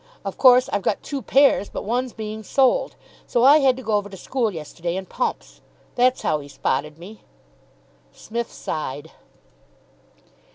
Of course I've got two pairs, but one's being soled. So I had to go over to school yesterday in pumps. That's how he spotted me." Psmith sighed.